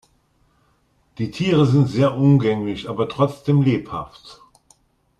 Die Tiere sind sehr umgänglich, aber trotzdem lebhaft.